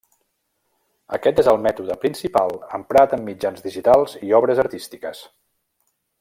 Aquest és el mètode principal emprat en mitjans digitals i obres artístiques.